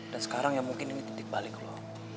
dan sekarang ya mungkin ini titik balik lo